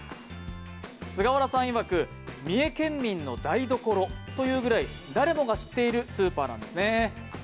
菅原さんいわく、三重県民の台所というぐらい、誰もが知っているスーパーなんですね。